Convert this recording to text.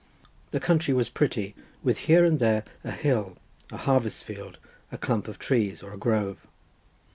The country was pretty, with here and there a hill, a harvest field, a clump of trees or a grove.